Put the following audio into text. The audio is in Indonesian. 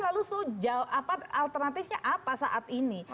lalu sejauh alternatifnya apa saat ini